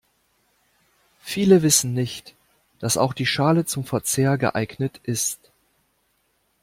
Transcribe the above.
Viele wissen nicht, dass auch die Schale zum Verzehr geeignet ist.